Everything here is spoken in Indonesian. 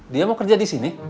dia mau kerja disini